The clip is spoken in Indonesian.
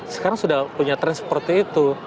sekarang sudah punya trend seperti itu